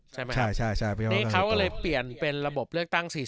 ใช่ไหมนี่เขาก็เลยเปลี่ยนเป็นระบบเลือกตั้ง๔๐